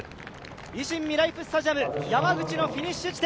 維新みらいふスタジアム、山口のフィニッシュ地点。